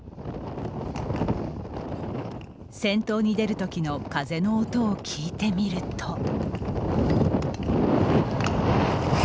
先頭に出るときの風の音を聞いてみると。